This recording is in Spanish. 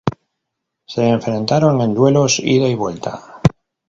Se enfrentaron en duelos ida y vuelta.